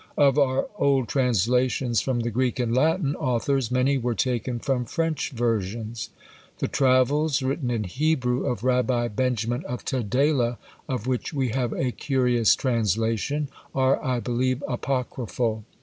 Of our old translations from the Greek and Latin authors, many were taken from French versions. The Travels, written in Hebrew, of Rabbi Benjamin of Tudela, of which we have a curious translation, are, I believe, apocryphal.